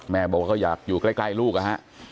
แม่บอกว่าก็อยากอยู่ใกล้ลูกนะฮะ